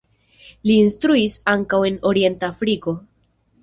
Li instruis ankaŭ en Orienta Afriko.